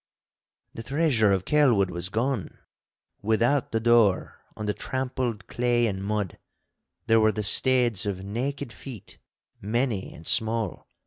The treasure of Kelwood was gone! Without the door, on the trampled clay and mud, there were the steads of naked feet many and small.